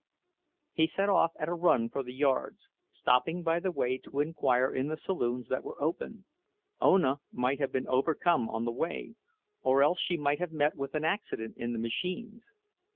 He set off at a run for the yards, stopping by the way to inquire in the saloons that were open. Ona might have been overcome on the way; or else she might have met with an accident in the machines.